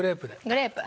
グレープ。